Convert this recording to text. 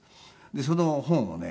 でその本をね